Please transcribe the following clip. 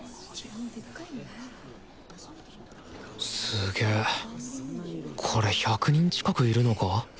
すげえこれ１００人近くいるのか？